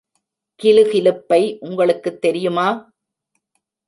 கிலுகிலுப்பை உங்களுக்குத் தெரியுமா?